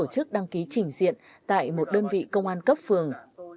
công tác tổ chức đăng ký trình diện tại một đơn vị công an cấp phường